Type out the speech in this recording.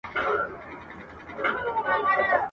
نه نارې یې چا په غرو کي اورېدلې ..